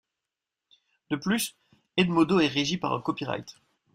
De plus, Edmodo est régi par un copyright.